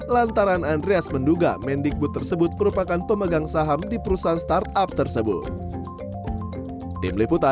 lantaran andreas menduga mendikbud tersebut merupakan pemegang saham di perusahaan startup tersebut